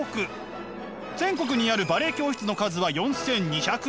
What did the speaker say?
全国にあるバレエ教室の数は４，２００以上。